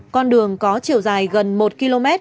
con đường có chiều dài gần một km